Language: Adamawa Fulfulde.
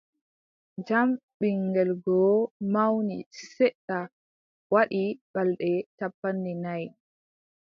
Jam ɓiŋngel goo mawni seeɗa, waɗi balɗe cappanɗe nayi.